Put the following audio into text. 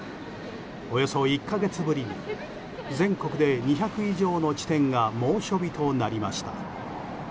およそ１か月ぶりに全国で２００以上の地点が猛暑日となりました。